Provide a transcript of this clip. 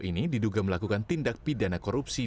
ini diduga melakukan tindak pidana korupsi